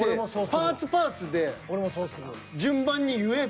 パーツパーツで順番に言えば。